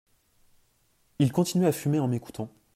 Il continuait à fumer en m’écoutant.